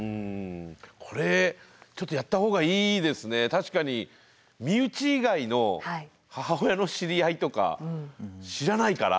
確かに身内以外の母親の知り合いとか知らないから。